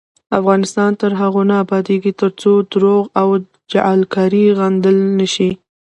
افغانستان تر هغو نه ابادیږي، ترڅو درواغ او جعلکاری غندل نشي.